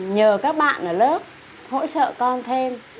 nhờ các bạn ở lớp hỗ trợ con thêm